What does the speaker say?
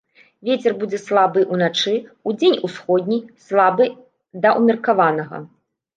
Вецер будзе слабы ўначы, удзень усходні, слабы да ўмеркаванага.